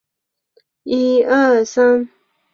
他就想占有呀